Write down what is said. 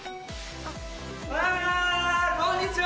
こんにちは！